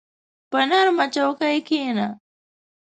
په نرمه چوکۍ کښېنه.